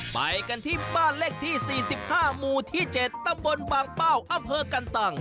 ไปกันที่บ้านเลขที่๔๕หมู่ที่๗ตำบลบางเป้าอำเภอกันตัง